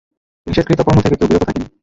নিষেধকৃত কর্ম থেকে কেউ বিরত থাকেনি।